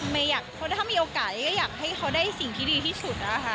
เพราะถ้ามีโอกะอยากให้เขาได้สิ่งที่ดีที่สุดค่ะ